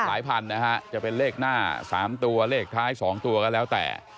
หลายพันนะฮะจะเป็นเลขหน้า๓ตัวเลขท้าย๒ตัวก็แล้วแต่